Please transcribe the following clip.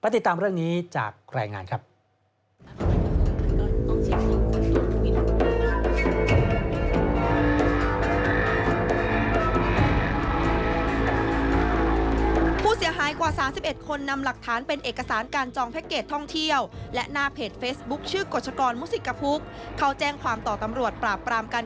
ติดตามเรื่องนี้จากรายงานครับ